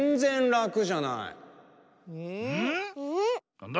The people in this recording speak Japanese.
なんだ？